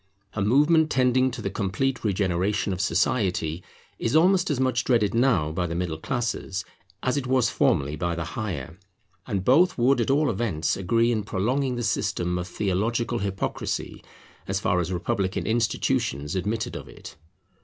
A movement tending to the complete regeneration of society is almost as much dreaded now by the middle classes as it was formerly by the higher. And both would at all events agree in prolonging the system of theological hypocrisy, as far as republican institutions admitted of it.